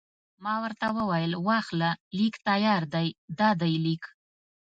ما ورته وویل: واخله، لیک تیار دی، دا دی لیک.